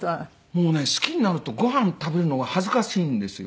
もうね好きになるとご飯食べるのが恥ずかしいんですよ。